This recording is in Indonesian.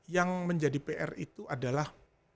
yang menjadi pr itu adalah